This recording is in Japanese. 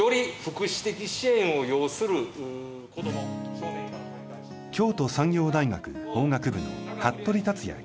京都産業大学法学部の服部達也教授のゼミ。